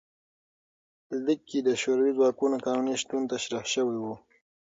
لیک کې د شوروي ځواکونو قانوني شتون تشریح شوی و.